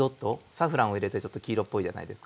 サフランを入れてちょっと黄色っぽいじゃないですか。